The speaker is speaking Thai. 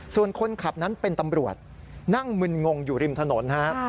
ส่วนคนขับนั้นเป็นตำรวจนั่งมึนงงอยู่ริมถนนฮะ